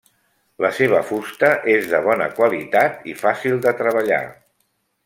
La seva fusta és de bona qualitat i fàcil de treballar.